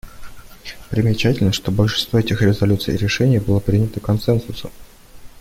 Примечательно, что большинство этих резолюций и решений было принято консенсусом.